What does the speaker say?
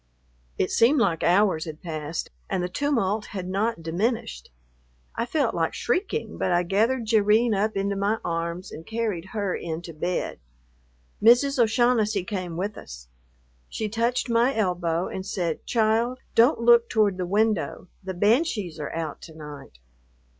It seemed like hours had passed and the tumult had not diminished. I felt like shrieking, but I gathered Jerrine up into my arms and carried her in to bed. Mrs. O'Shaughnessy came with us. She touched my elbow and said, "Child, don't look toward the window, the banshees are out to night."